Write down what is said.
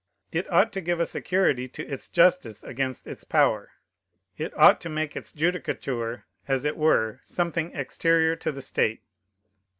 It ought to give a security to its justice against its power. It ought to make its judicature, as it were, something exterior to the state.